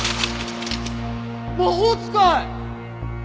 魔法使い！